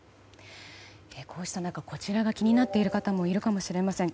こうした中こちらが気になっている方もいるかもしれません。